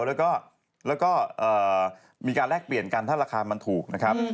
แล้วก็มีการแลกเปลี่ยนกันถ้าราคามันถูกนะครับ